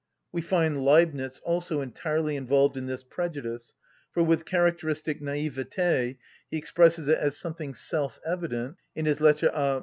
We find Leibnitz also entirely involved in this prejudice, for, with characteristic naïveté, he expresses it as something self‐evident in his _Lettre à M.